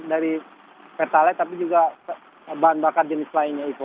dari pertalite tapi juga bahan bakar jenis lainnya itu